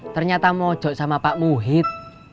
ternyata mojok sama pak muhid